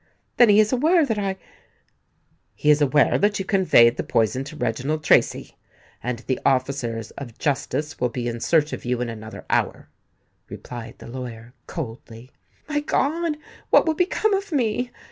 "Then he is aware that I——" "He is aware that you conveyed the poison to Reginald Tracy; and the officers of justice will be in search of you in another hour," replied the lawyer, coldly. "My God! what will become of me?"